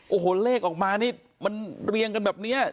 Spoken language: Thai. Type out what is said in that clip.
โอ้โหเลขออกมานี่มันเรียงกันแบบนี้